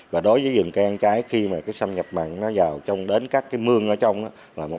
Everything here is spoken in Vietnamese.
và đối với rừng cây ăn trái khi mà cái xâm nhập mặn nó vào trong đến các cái mương ở trong đó là